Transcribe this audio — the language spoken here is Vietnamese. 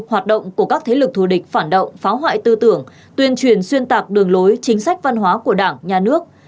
hoạt động của các thế lực thù địch phản động phá hoại tư tưởng tuyên truyền xuyên tạc đường lối chính sách văn hóa của đảng nhà nước